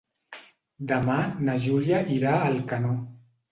Demà na Júlia irà a Alcanó.